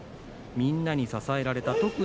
みんなに支えられた。